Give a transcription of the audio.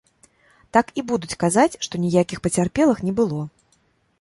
Так і будуць казаць, што ніякіх пацярпелых не было.